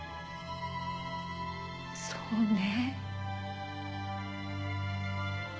そうね。